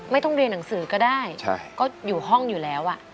ไม่ต้องเรียนหนังสือก็ได้ก็อยู่ห้องอยู่แล้ว